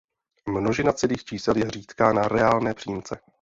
Množina celých čísel je řídká na reálné přímce.